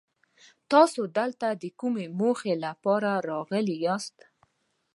تاسو دلته د کومې موخې لپاره راغلي ياست؟